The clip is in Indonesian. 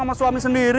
sama suami sendiri